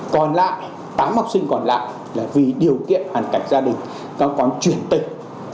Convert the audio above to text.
còn lại tám học sinh còn lại là vì điều kiện hoàn cảnh gia đình nó còn chuyển tịch